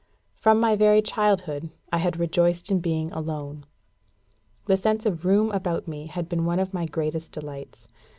From my very childhood, I had rejoiced in being alone. The sense of room about me had been one of my greatest delights.